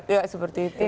ya seperti itu